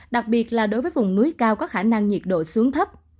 đặc biệt là đối với vùng núi cao có khả năng nhiệt độ xuống thấp